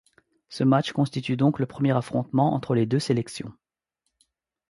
Ce match constitue donc le premier affrontement entre les deux sélections.